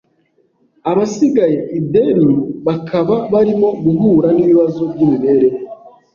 abasigaye i Delhi bakaba barimo guhura n’ibibazo by’imibereho.